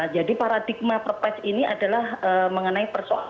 jadi paradigma perpes ini adalah mengenai persoalan